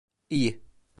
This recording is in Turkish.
İyi.